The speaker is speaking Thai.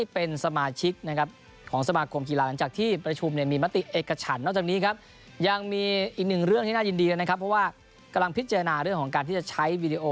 เพราะว่ากำลังพิจารณาเรื่องของการที่จะใช้วีดีโอ